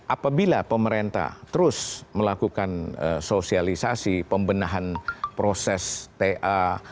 apabila pemerintah terus melakukan sosialisasi pembenahan proses ta